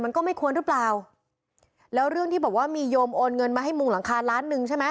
ก็ไม่ควรหรือเปล่าแล้วเรื่องที่บอกว่ามีโยมโอนเงินมาให้มุงหลังคาล้านหนึ่งใช่ไหม